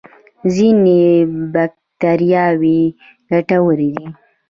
ځینې بکتریاوې ګټورې دي